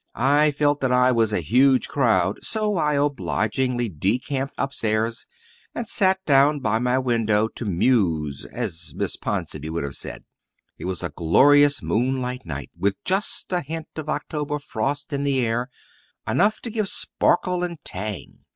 I felt that I was a huge crowd, so I obligingly decamped upstairs and sat down by my window to "muse," as Miss Ponsonby would have said. It was a glorious moonlight night, with just a hint of October frost in the air enough to give sparkle and tang.